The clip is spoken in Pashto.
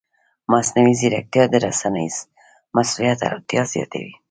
مصنوعي ځیرکتیا د رسنیز مسؤلیت اړتیا زیاتوي.